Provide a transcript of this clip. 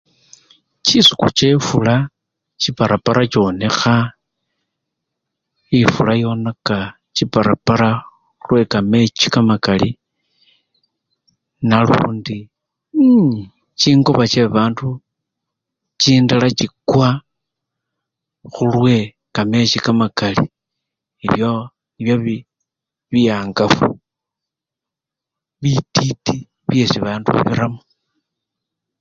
Chisiku chefula, chiparapara chonekha, efula yonaka chiparapara lwekamechi kamakali nalundi iu! chingoba chebabandu chindala chikwa khulwe nekamechi kamakali ebyo nibyo biyangafu bititi byesibandu babiramo.